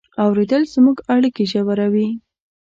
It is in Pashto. اورېدل زموږ اړیکې ژوروي.